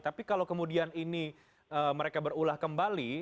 tapi kalau kemudian ini mereka berulah kembali